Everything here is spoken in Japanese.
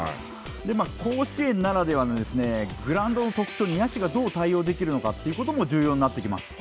甲子園ならではのグラウンドの特徴に野手がどう対応できるのかということも重要になってきます。